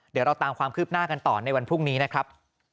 เดี๋ยวเราตามความคืบหน้ากันต่อในวันพรุ่งนี้นะครับ